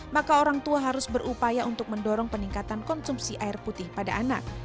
maka orang tua harus berupaya untuk mendorong peningkatan konsumsi air putih pada anak